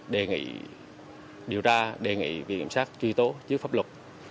đề nghị điều tra đề nghị việc kiểm soát truy tố trước pháp luật